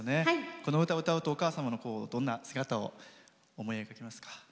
この歌を歌うとお母様の、どんな姿を思い出しますか？